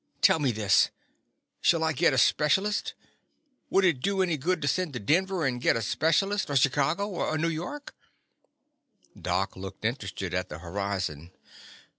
Tell me this: Shall I git a specialist*? Would it do any good to send to Denver and git a specialist, or Chicago, or New York*?" Doc looked interested at the ho rizon.